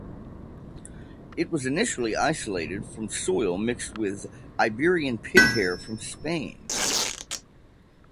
It was initially isolated from soil mixed with Iberian pig hair from Spain.